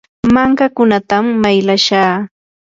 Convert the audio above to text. mankakunatam maylashaa.